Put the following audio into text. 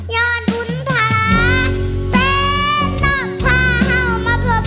อย่าลุ้นภาระ